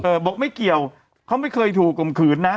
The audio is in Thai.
บอกไม่เกี่ยวเขาไม่เคยถูกข่มขืนนะ